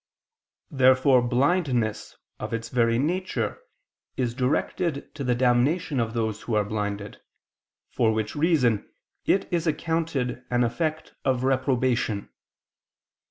Therefore blindness, of its very nature, is directed to the damnation of those who are blinded; for which reason it is accounted an effect of reprobation.